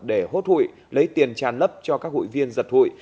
để hốt hội lấy tiền tràn lấp cho các hội viên giật hội